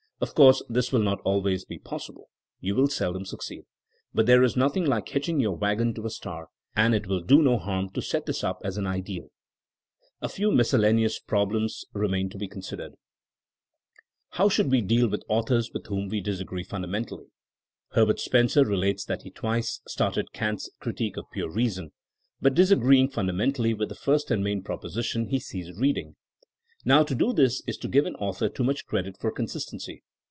Of course this will not always be possible. You will seldom succeed. But there is nothing like hitching your wagon to a star, and it will do no harm to set this up as an ideal. A few miscellaneous problems remain to be considered. 180 THINEINO AS A SOIENOE How should we deal with authors with whom we disagree fundamentally? Herbert Spencer relates that he twice started Kant's Critique of Pure Reason, but disagreeing fundamentally with the first and main proposition he ceased reading. Now to do this is to give an author too much credit for consistency.